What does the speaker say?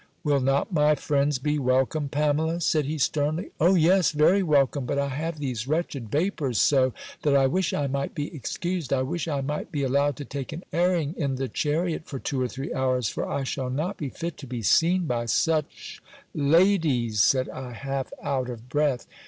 "Will not my friends be welcome, Pamela?" said he sternly. "O yes, very welcome! But I have these wretched vapours so, that I wish I might be excused I wish I might be allowed to take an airing in the chariot for two or three hours; for I shall not be fit to be seen by such ladies," said I, half out of breath.